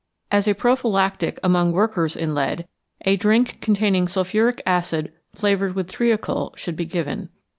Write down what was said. As a prophylactic among workers in lead, a drink containing sulphuric acid flavoured with treacle should be given.